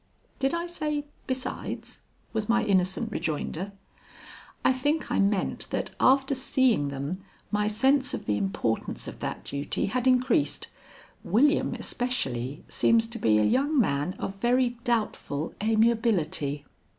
"Did I say besides?" was my innocent rejoinder. "I think I meant that after seeing them my sense of the importance of that duty had increased. William especially seems to be a young man of very doubtful amiability."